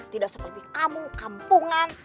tidak seperti kamu kampungan